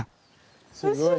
すごい。